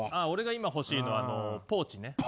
俺が今欲しいのはポーチね。